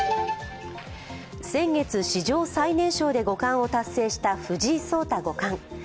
先月、史上最年少で五冠を達成した藤井聡太五冠。